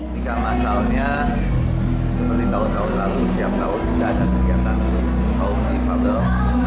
nikah masalnya seperti tahun tahun lalu setiap tahun kita ada kegiatan untuk kaum difabel